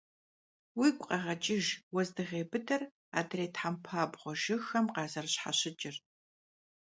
Уигу къэгъэкӀыж уэздыгъей быдэр адрей тхьэмпабгъуэ жыгхэм къазэрыщхьэщыкӀыр.